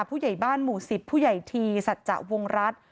ผู้ใหญ่บ้านหมู่สิบผู้ใหญ่ทีสัตว์จักรวงรัฐ